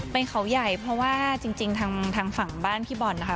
เป็นเขาใหญ่เพราะว่าจริงทางฝั่งบ้านพี่บอลนะคะ